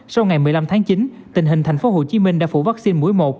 sau ngày một mươi năm tháng chín tình hình tp hcm đã phủ vaccine mũi một